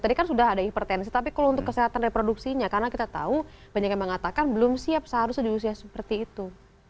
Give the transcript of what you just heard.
tadi kan sudah ada hipertensi tapi kalau untuk kesehatan reproduksinya karena kita tahu banyak yang mengatakan belum siap seharusnya di usia seperti itu